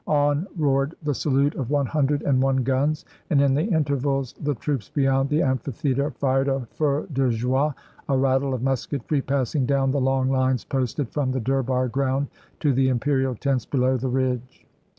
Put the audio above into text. On roared the salute of one hundred and one guns, and in the intervals the troops beyond the amphitheater fired a feu de joie, a rattle of musketry passing down the long fines posted from the Durbar ground to the Imperial tents below the ridge.